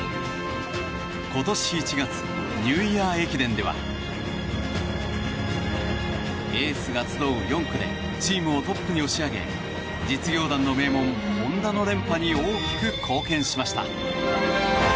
今年１月、ニューイヤー駅伝ではエースが集う４区でチームをトップに押し上げ実業団の名門ホンダの連覇に大きく貢献しました。